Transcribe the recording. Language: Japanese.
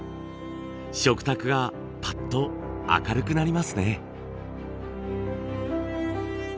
食卓がパッと明るくなりますね。